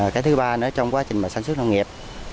cái thứ ba nữa trong quá trình mà sản xuất nông nghiệp